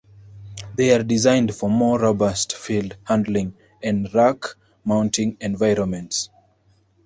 They are designed for more robust field handling and rack mounting environments.